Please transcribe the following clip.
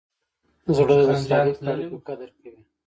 زړه د صادقو اړیکو قدر کوي.